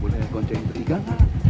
boleh ngakonceng bertiga pak